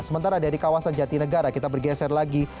sementara dari kawasan jati negara kita bergeser lagi